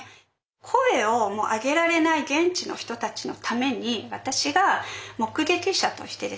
声をもう上げられない現地の人たちのために私が目撃者としてですね